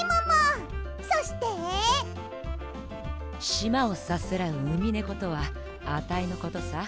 しまをさすらうウミネコとはアタイのことさ。